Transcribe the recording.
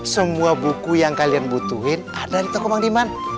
semua buku yang kalian butuhin ada di toko mang diman